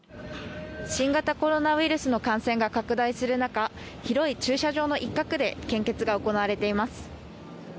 新型コロナウイルスの感染が拡大する中広い駐車場の一角で献血が行われています。